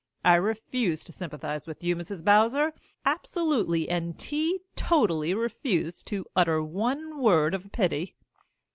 I refuse to sympathize with you, Mrs. Bowser absolutely and teetotally refuse to utter one word of pity."